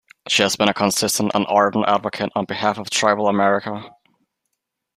She has been a consistent and ardent advocate on behalf of Tribal America.